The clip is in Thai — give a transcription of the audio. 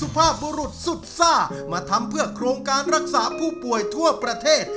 ภาพบุรุษสุดซ่ามาทำเพื่อโครงการรักษาผู้ป่วยทั่วประเทศ